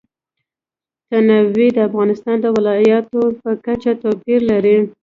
تنوع د افغانستان د ولایاتو په کچه توپیر لري.